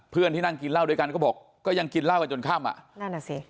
เพื่อนที่นั่งกินเหล้าด้วยกันก็บอกก็ยังกินเหล้ากันจนค่ำอ่ะนั่นอ่ะสิ